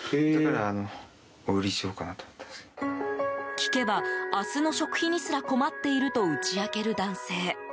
聞けば、明日の食費にすら困っていると打ち明ける男性。